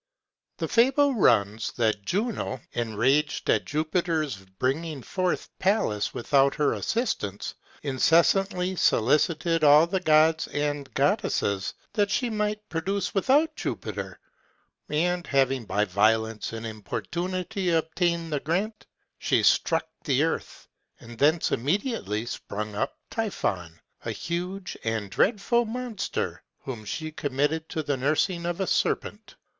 The fable runs, that Juno, enraged at Jupiter's bringing forth Pallas without her assistance, incessantly solicited all the gods and goddesses, that she might produce without Jupiter; and having by violence and importunity obtained the grant, she struck the earth, and thence immediately sprung up Typhon, a huge and dreadful monster, whom she committed to the nursing of a serpent.